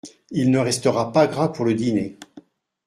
Il ne restera pas gras pour le dîner.